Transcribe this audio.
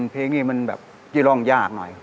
เพลงนี้มันตกล่องแยกหน่อย